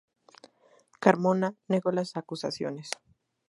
Carmona negó las acusaciones.